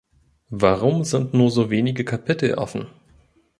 Warum sind nur so wenige Kapitel offen?